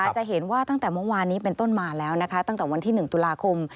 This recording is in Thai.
จะเห็นว่าตั้งแต่เมื่อวานนี้เป็นต้นมาแล้วนะคะตั้งแต่วันที่๑ตุลาคม